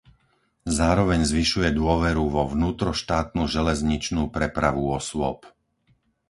Zároveň zvyšuje dôveru vo vnútroštátnu železničnú prepravu osôb.